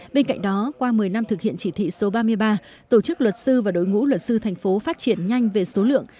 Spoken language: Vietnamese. bên cạnh đó qua một mươi năm thực hiện chỉ thị số ba mươi ba tổ chức luật sư và đối ngũ luật sư thành phố phát triển nhanh về số lượng